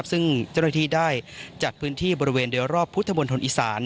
ซึ่งเจ้าหน้าที่ได้จัดพื้นที่บริเวณโดยรอบพุทธมนตรอีสาน